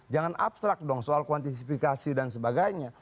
jangan abstrak dong soal kuantisifikasi dan sebagainya